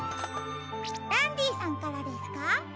ダンディさんからですか？